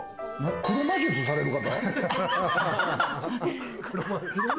黒魔術される方？